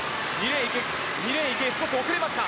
２レーン、池江少し遅れました。